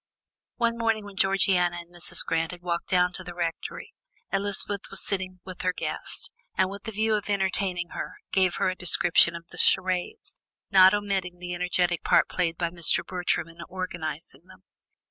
One morning, when Georgiana and Mrs. Grant had walked down to the Rectory, Elizabeth was sitting with her guest, and with the view of entertaining her, gave her a description of the charades, not omitting the energetic part played by Mr. Bertram in organizing them.